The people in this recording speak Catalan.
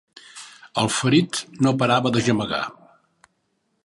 El ferit no parava de gemegar.